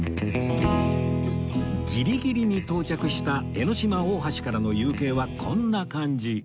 ギリギリに到着した江の島大橋からの夕景はこんな感じ